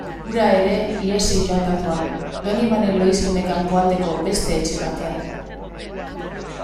Hura ere ihesi joandakoa, Donibane Lohizune kanpoaldeko beste etxe batean...